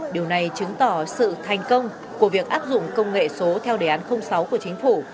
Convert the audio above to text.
điều này chứng tỏ sự thành công của việc áp dụng công nghệ số theo đề án sáu của chính phủ